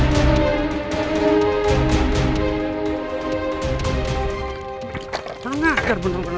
dia cuman kok caption ini